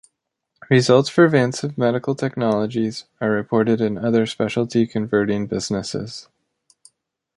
Results for Vancive Medical Technologies are reported in Other specialty converting businesses.